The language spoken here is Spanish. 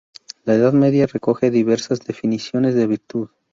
La Edad media recoge diversas definiciones de virtud.